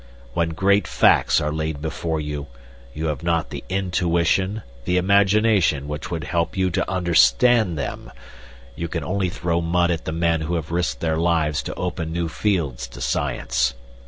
When great facts are laid before you, you have not the intuition, the imagination which would help you to understand them. You can only throw mud at the men who have risked their lives to open new fields to science.